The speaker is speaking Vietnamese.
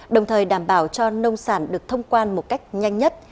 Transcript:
đồng thời đảm bảo cho nông sản được thông quan một cách nhanh nhất